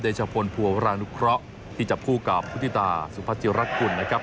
เดชโฟนภัวรานุเคราะห์ที่จับผู้กราบพุทธิตาสุภาธิรักษ์กุลนะครับ